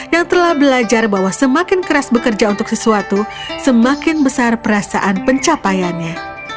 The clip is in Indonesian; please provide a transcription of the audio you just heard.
yang telah belajar bahwa semakin keras bekerja untuk sesuatu semakin besar perasaan pencapaiannya